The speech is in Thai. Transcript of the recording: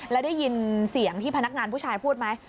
แล้วได้ยินเสียงที่พนักงานผู้ชายพูดไหม